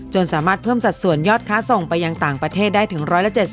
สามารถเพิ่มสัดส่วนยอดค้าส่งไปยังต่างประเทศได้ถึง๑๗๐